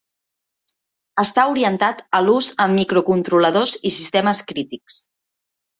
Està orientat a l'ús en microcontroladors i sistemes crítics.